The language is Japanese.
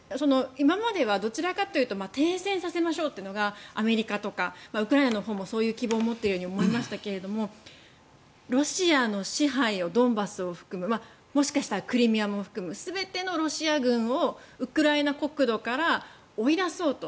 今まではどちらかというと停戦させましょうというのがアメリカとかウクライナのほうもそういう希望を持っているように思いましたけどロシアの支配をドンバスを含むもしかしたらクリミアも含む全てのロシア軍をウクライナ国土から追い出そうと。